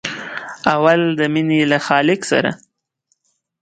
اول د مینې له خالق سره.